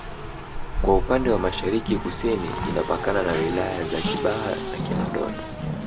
kwa upande wa Mashariki Kusini inapakana na wilaya za Kibaha na Kinondoni